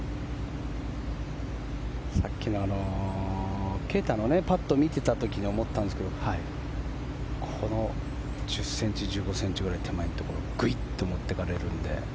さっきの啓太のパットを見ていた時に思ったんですがこの１０ｃｍ、１５ｃｍくらい手前のところグイっと持ってかれるので。